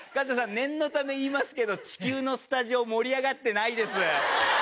念のため言いますけど地球のスタジオ盛り上がってないです。